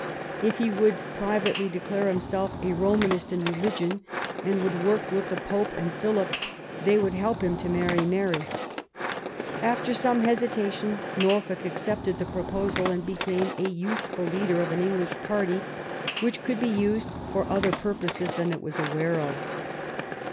If he would privately declare himself a Romanist in religion, and v; THE EXCOMMUNICATION OF ELIZABETH, 141 would work with the Pope and Philip, they would help him to marry Mary. After some hesitation Norfolk accepted the proposal, arid became a useful leader of an English party which could be used for other purposes than it was aware of.